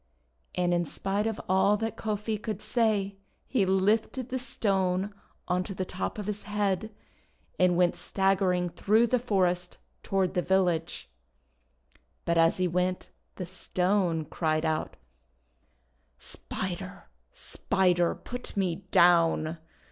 And in spite of all that Kofi could say, he lifted the Stone on to the top of his head, and went staggering through the forest toward the village. But as he went the Stone cried out: — "Spider! Spider! Put me down!